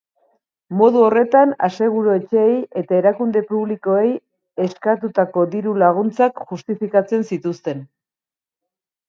Modu horretan, aseguru-etxeei eta erakunde publikoei eskatutako diru-laguntzak justifikatzen zituzten.